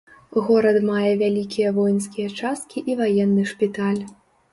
Горад мае вялікія воінскія часткі і ваенны шпіталь.